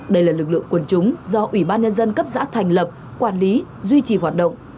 đây là lực lượng quần chúng do ủy ban nhân dân cấp xã thành lập quản lý duy trì hoạt động